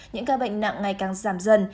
những ca bệnh nặng ngày càng giảm dần